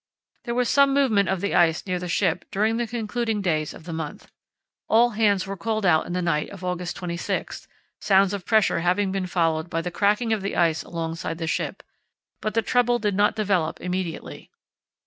There was some movement of the ice near the ship during the concluding days of the month. All hands were called out in the night of August 26, sounds of pressure having been followed by the cracking of the ice alongside the ship, but the trouble did not develop immediately.